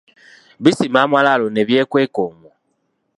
Bisima amalaalo ne byekweka omwo.